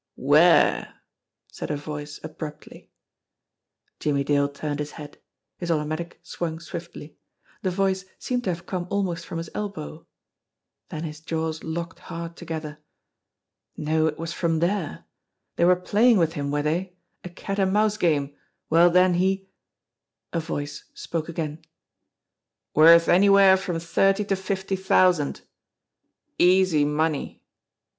"Where?" said a voice abruptly. Jimmie Dale turned his head ; his automatic swung swiftly. The voice seemed to have come almost from his elbow. Then his jaws locked hard together. No ; it was not from there ! They were playing with him, were they? A cat and mouse game ! Well then, he A voice spoke again: "Worth anywhere from thirty to fifty thousand. Easy money."